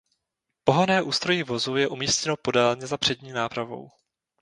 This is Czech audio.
Pohonné ústrojí vozu je umístěno podélně za přední nápravou.